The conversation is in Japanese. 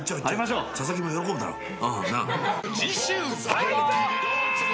佐々木も喜ぶだろう。